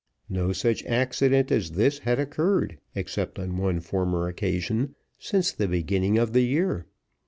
No such accident as this had occurred, except on one former occasion, since the beginning of the year.